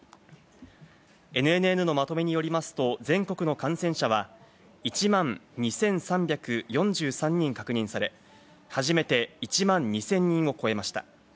ＮＮＮのまとめによりますと、全国の感染者は１万２３４３人確認され、初めて１万２０００人を超えました。